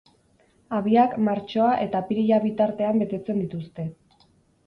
Habiak martxoa eta apirila bitartean betetzen dituzte.